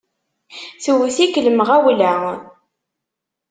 Tewwet-ik lmeɣwla!